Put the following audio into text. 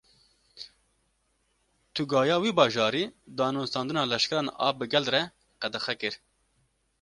Tugaya wî bajarî, danûstandina leşkeran a bi gel re qedexe kir